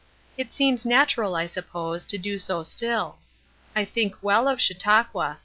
It seems natural, I suppose, to do so still. I think well of Chautauqua.